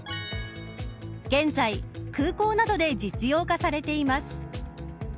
現在、空港などで実用化されています。